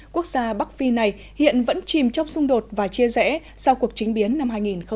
quốc gia bắc phi này hiện vẫn chìm trong xung đột và chia rẽ sau cuộc chính biến năm hai nghìn một mươi